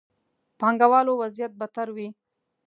پانګه والو وضعيت بدتر وي.